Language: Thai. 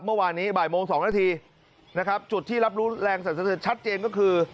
เมื่อวานนี้บ่ายโมง๒นาทีนะครับจุดที่รับรู้แรงสรรสะเทือนชัดเจนก็คือ